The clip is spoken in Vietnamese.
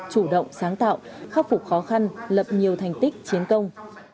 chủ động sáng tạo khắc phục khó khăn lập nhiều thành tích chiến công